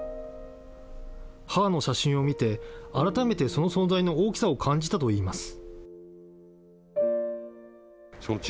母の写真を見て、改めてその存在の大きさを感じたといいます。